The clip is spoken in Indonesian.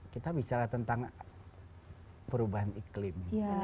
kita bicara tentang perubahan iklim